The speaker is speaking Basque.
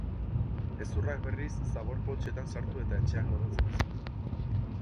Hezurrak, berriz, zabor-poltsetan sartu eta etxean gordetzen zituen.